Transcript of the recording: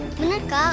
kamu salah liat kali